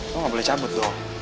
lo ga boleh cabut dong